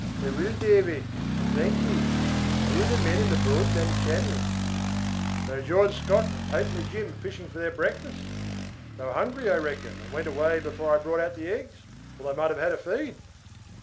"I will, Davy, and thank you. Who are the men in the boat down the channel?" "They are George Scutt and Pately Jim fishing for their breakfast. They were hungry, I reckon, and went away before I brought out the eggs, or they might have had a feed."